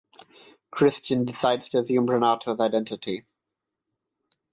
Christian decides to assume Renato’s identity.